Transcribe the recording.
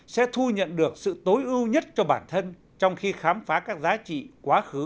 sẽ thu nhận được sự tối ưu nhất cho bản thân trong khi khám phá các giá trị quá khứ